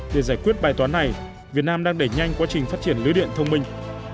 để giải quyết bài toán này việt nam đang đẩy nhanh quá trình phát triển lưới điện thông minh